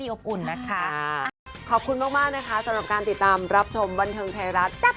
เดี๋ยวก็ต้องมานั่งจรดหมายอีก